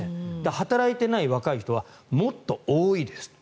働いてない若い人はもっと多いですと。